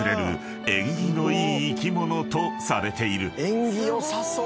縁起良さそう！